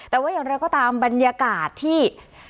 แต่ว่าอย่างไรก็ตามบรรยากาศที่